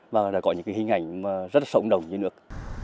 và đã có những hình ảnh rất sống đồng như nước